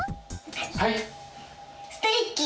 はい！